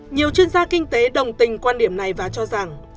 nhiều chuyên gia kinh tế đồng tình quan điểm này và cho rằng